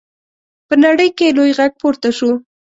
په نړۍ کې یې لوی غږ پورته شو.